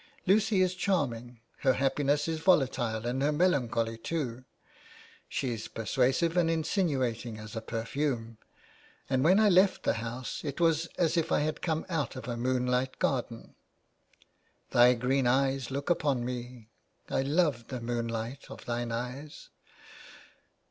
Lucy is charming, and her happiness is volatile and her melancholy too ; she's persuasive and insinuating as a perfume ; and, when I left the house, it was as if I had come out of a moonlight garden. ' Thy green eyes look upon me ... I love the moon light of thine eyes.'